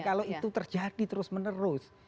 kalau itu terjadi terus menerus